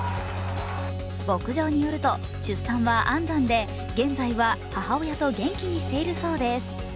牧場によると、出産は安産で、現在は母親と元気にしているそうです。